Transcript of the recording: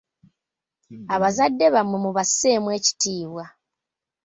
Abazadde bammwe mubasseemu ekitiibwa.